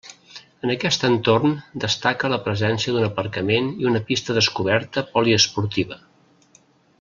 En aquest entorn destaca la presència d'un aparcament i una pista descoberta poliesportiva.